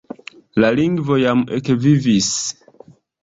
La lingvo jam ekvivis.